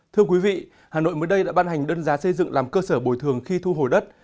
thưa quý vị hà nội mới đây đã ban hành đơn giá xây dựng làm cơ sở bồi thường khi thu hồi đất